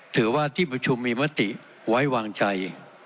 ถือว่าที่ประชุมมีมติไว้วางใจ